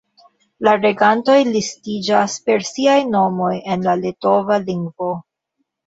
La regantoj listiĝas per siaj nomoj en la litova lingvo.